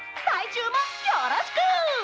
来週もよろしく！」。